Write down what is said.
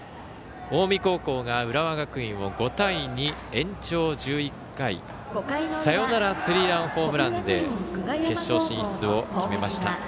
近江高校が浦和学院を５対２延長１１回サヨナラスリーランホームランで決勝進出を決めました。